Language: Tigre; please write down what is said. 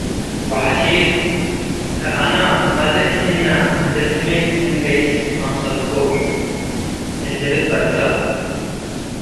ወሐሺል፤ “ከአና መአዜ ክእና' ምድር ጽምእ እንገይስ አምሰልኮ።” እት ልብል በልሰ።